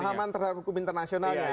dan pemahaman terhadap hukum internasionalnya